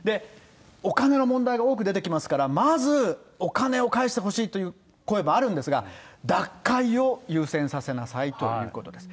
お金の問題が多く出てきますから、まずお金を返してほしいという声もあるんですが、脱会を優先させなさいということです。